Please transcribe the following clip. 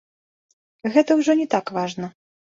Гэта ўжо не так важна.